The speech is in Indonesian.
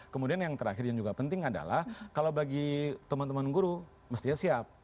kemudian yang terakhir yang juga penting adalah kalau bagi teman teman guru mestinya siap